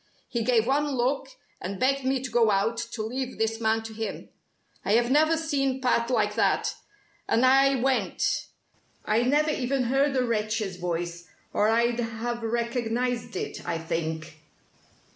He gave one look, and begged me to go out to leave this man to him. I had never seen Pat like that and I went. I never even heard the wretch's voice or I'd have recognized it, I think.